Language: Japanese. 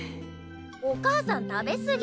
お母さん食べ過ぎ。